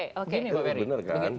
ini pak ferry